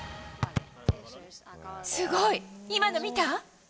すごい、今の見た？